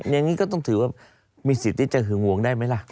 อย่างนี้ก็ต้องถือว่ามีสิทธิ์ที่จะหึงห่วงได้ไหมล่ะ